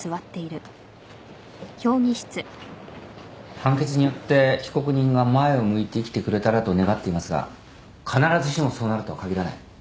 判決によって被告人が前を向いて生きてくれたらと願っていますが必ずしもそうなるとは限らない。